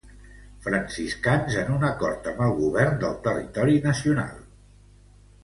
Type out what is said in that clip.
Franciscans en un acord amb el govern del territori nacional.